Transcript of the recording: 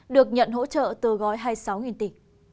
được nhận hỗ trợ từ gói hai mươi sáu tỷ